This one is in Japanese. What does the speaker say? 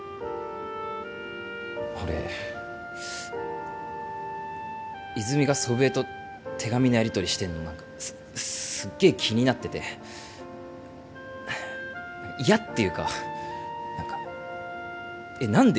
俺泉が祖父江と手紙のやりとりしてるの何かすっげえ気になってて嫌っていうか何かえっ何で？